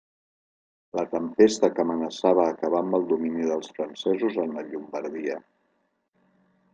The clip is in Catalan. La tempesta que amenaçava acabar amb el domini dels francesos en la Llombardia.